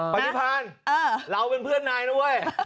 ประยิบพรรณเราเป็นเพื่อนนายนะเว้ย